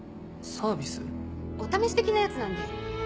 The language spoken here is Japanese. サービス？お試し的なやつなんで。